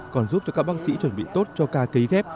còn giúp cho các bác sĩ chuẩn bị tốt cho ca cấy ghép